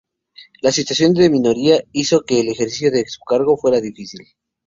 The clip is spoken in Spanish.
La situación de minoría hizo que el ejercicio de su cargo fuera difícil.